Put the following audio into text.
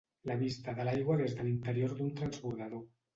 La vista de l'aigua des de l'interior d'un transbordador.